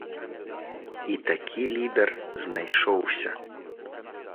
І такі лідар знайшоўся.